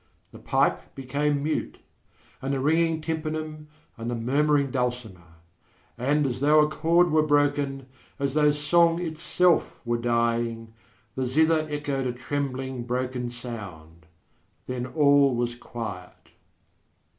The pipe became mute, and the ringing tympanum and the murmuring dulcimer; and as though a chord were broken, as though song itself were dying, the zither echoed a trembling broken sound. Then all was quiet.